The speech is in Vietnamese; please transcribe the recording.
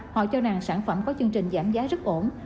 họ cho rằng sản phẩm có chương trình giảm giá rất ổn